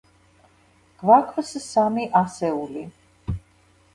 გვაქვს სამი ასეული.